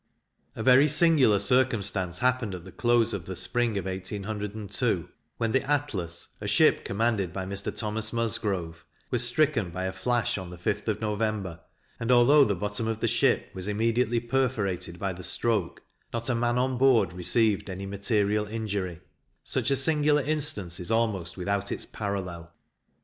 A very singular circumstance happened at the close of the spring of 1802, when the Atlas, a ship commanded by Mr. Thomas Musgrove, was stricken by a flash on the 5th of November, and, although the bottom of the ship was immediately perforated by the stroke, not a man on board received any material injury: such a singular instance is almost without its parallel.